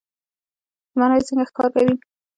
زمری څنګه ښکار کوي؟